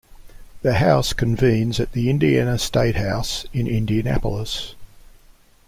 The House convenes at the Indiana Statehouse in Indianapolis.